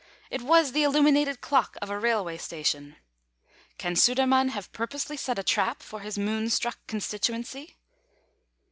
"It was the illuminated clock of a railway station." Can Sudermann have purposely set a trap for his moon struck constituency?